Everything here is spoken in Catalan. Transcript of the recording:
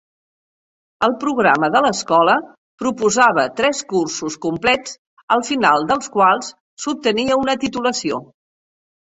El programa de l’Escola proposava tres cursos complets al final dels quals s’obtenia una titulació.